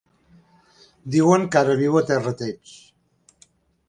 Diuen que ara viu a Terrateig.